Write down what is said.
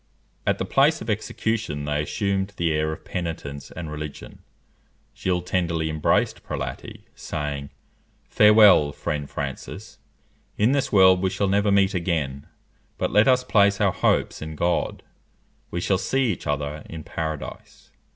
At the place of execution they assumed the air of penitence and religion. Gilles tenderly embraced Prelati, saying, "_Farewell, friend Francis! In this world we shall never meet again; but let us place our hopes in God; we shall see each other in Paradise_."